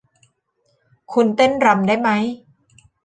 คุณเต้นรำได้มั้ย